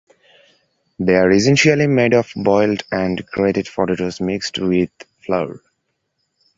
They are essentially made of boiled and grated potatoes mixed with flour.